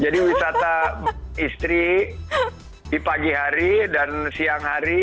jadi wisata istri di pagi hari dan siang hari